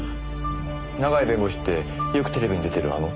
永井弁護士ってよくテレビに出てるあの？